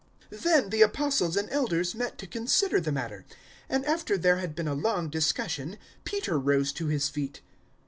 015:006 Then the Apostles and Elders met to consider the matter; 015:007 and after there had been a long discussion Peter rose to his feet.